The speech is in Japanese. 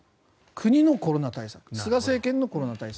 国のコロナ対策菅政権のコロナ対策